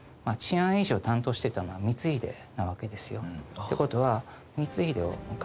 って事は。